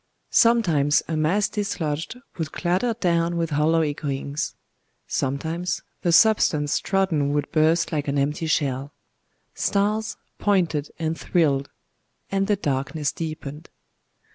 Sometimes a mass dislodged would clatter down with hollow echoings;—sometimes the substance trodden would burst like an empty shell….Stars pointed and thrilled; and the darkness deepened.